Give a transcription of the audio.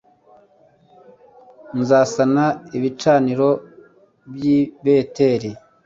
nzasana ibicaniro by i beteli